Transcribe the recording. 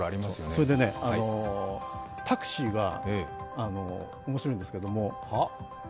それでね、タクシーが面白いんですけども。